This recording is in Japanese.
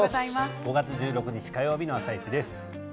５月１６日火曜日の「あさイチ」です。